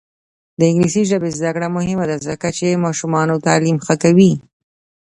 د انګلیسي ژبې زده کړه مهمه ده ځکه چې ماشومانو تعلیم ښه کوي.